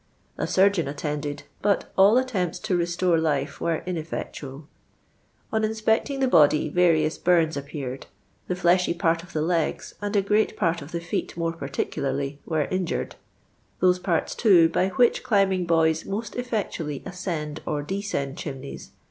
A surgeon attended, but all attempts to restore life were ineifi>ctual. t)n inspecting the body, various bums appeared ; the fleshy part of the legs, and a great part of the feet more particularly, were injured ; those parts, too, by which climbing boys most elTectuiiily ascend or descend chimneys, viz.